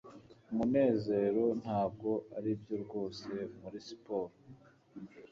munezero ntabwo aribyo rwose muri siporo